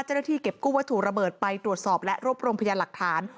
เจ้าหน้าที่เก็บกู้วัตถุระเบิดไปตรวจสอบและรวบรวมพยานหลักฐาน